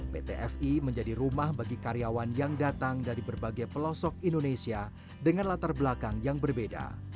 pt fi menjadi rumah bagi karyawan yang datang dari berbagai pelosok indonesia dengan latar belakang yang berbeda